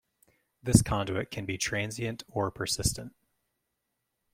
This conduit can be transient or persistent.